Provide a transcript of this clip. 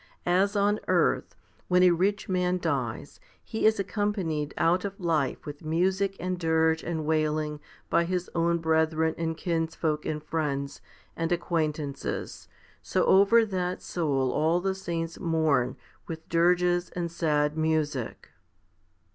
As on earth, when a rich man dies, he is accompanied out of life with music and dirge and wailing by his own brethren and kinsfolk "and friends and acquaintances, so over that soul all the saints mourn with dirges and sad music.